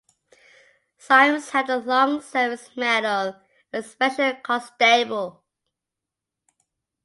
Symes held a long-service medal as a Special Constable.